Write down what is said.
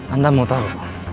anda mau tahu